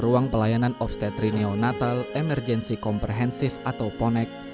di ruang pelayanan obstetri neonatal emergensi komprehensif atau ponek